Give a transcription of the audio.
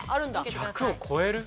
１００を超える？